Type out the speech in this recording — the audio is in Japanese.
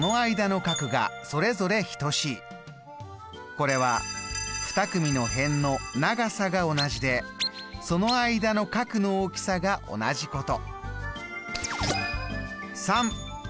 これは２組の辺の長さが同じでその間の角の大きさが同じこと。